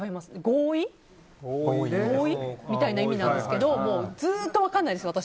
合意？みたいな意味なんですけどずっと分からないです、私。